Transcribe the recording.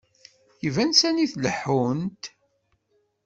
Iban sani leḥḥunt.